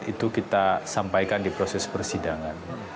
itu kita sampaikan di proses persidangan